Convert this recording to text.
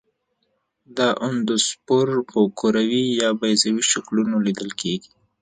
دا اندوسپور په کروي یا بیضوي شکلونو لیدل کیږي.